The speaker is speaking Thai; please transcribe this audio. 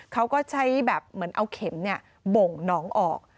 เขาก็ใช้แบบเอาเข็มเนี่ยบ่งหนองออก